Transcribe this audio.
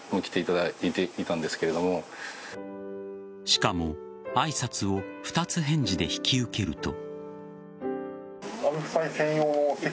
しかも挨拶を二つ返事で引き受けると。